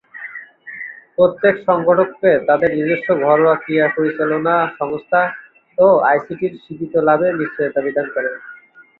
প্রত্যেক সংগঠনকে তাদের নিজস্ব ঘরোয়া ক্রীড়া পরিচালনা সংস্থা ও আইসিসি’র স্বীকৃত লাভে নিশ্চয়তা বিধান করা।